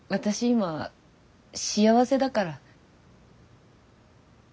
今幸せだから。